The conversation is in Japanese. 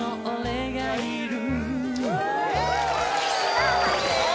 さあ判定は？